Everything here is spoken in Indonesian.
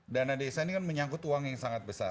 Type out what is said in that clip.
dana desa ini kan menyangkut uang yang sangat besar